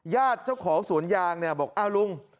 เจ้าของสวนยางเนี่ยบอกอ้าวลุง